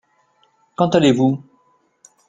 Quand allez-vous ?